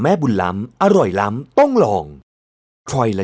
จะเอายังไงฮะ